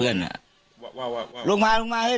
เรียกว่าไงเอิ้น